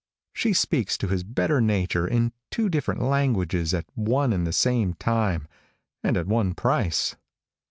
She speaks to his better nature in two different languages at one and the same time, and at one price.